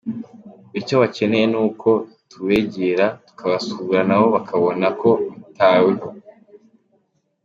Icyo bakeneye ni uko tubegera, tukabasura na bo bakabona ko bitaweho.